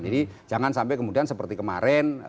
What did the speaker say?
jadi jangan sampai kemudian seperti kemarin